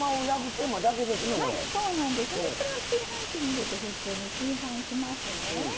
これは炊飯器に入れて普通に炊飯しますね。